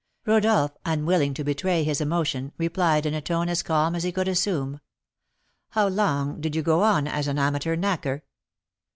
Rodolph, unwilling to betray his emotion, replied in a tone as calm as he could assume, "How long did you go on as an amateur knacker?"